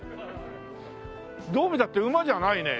どう見たって馬じゃないね。